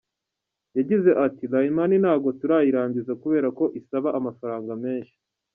Yagize ati “LineMoney ntago turayirangiza kubera ko isaba amafaranga menshi.